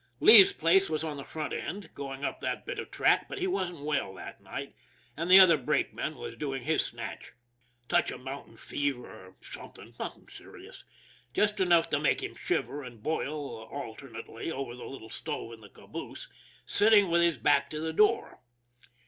Lee's place was on the front end, going up that bit of track, but he wasn't well that night, and the other brakeman was doing his snatch. Touch of mountain fever, or something, nothing serious; just enough to make him shiver and boil alternately over the little stove in the caboose, sitting with his back to the door.